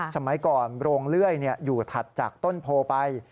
สมัยก่อนโรงเลื่อยอยู่ถัดจากต้นโพไป